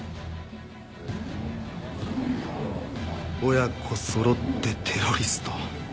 親子揃ってテロリスト。